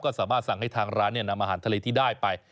ก็สามารถสั่งให้ทางร้านนำอาหารทะเลที่ได้ไป